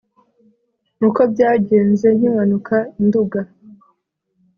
Uko byagenze nkimanuka i Nduga